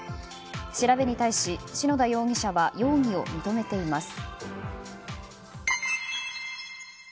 調べに対し篠田容疑者は容疑を認めています。